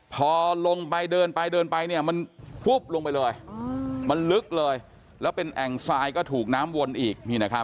พอลงไปเดินไปมันลุกเลยแล้วเป็นแห่งซ้ายก็ถูกน้ำวนอีก